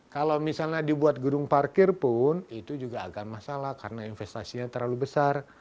kalau misalnya dibuat gedung parkir pun itu juga agak masalah karena investasinya terlalu besar